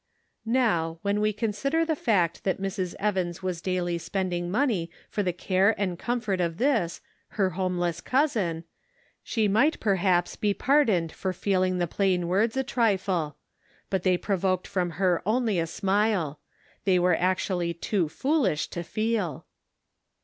Now, when we consider the fact that Mrs. Evans was daily spending money for the care and comfort of this, her homeless cousin, she might perhaps be pardoned for feeling the plain words a trifle ; but they provoked from her only a smile ; they were actually too foolish to feel.